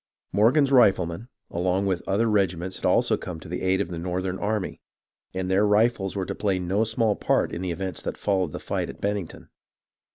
" Morgan's Riflemen " along with other regiments had also come to the aid of the northern army, and their rifles were to play no small part in the events that followed the fight at Bennington.